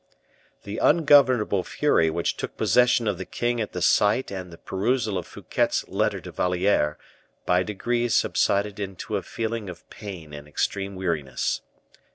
The ungovernable fury which took possession of the king at the sight and at the perusal of Fouquet's letter to La Valliere by degrees subsided into a feeling of pain and extreme weariness.